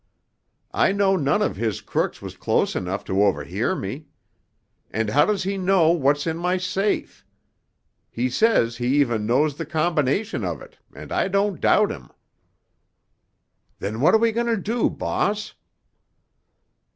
I know none of his crooks was close enough to overhear me. And how does he know what's in my safe? He says he even knows the combination of it, and I don't doubt him." "Then what are we going to do, boss?"